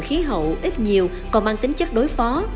khí hậu ít nhiều còn mang tính chất đối phó